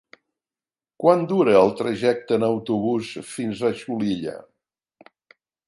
Quant dura el trajecte en autobús fins a Xulilla?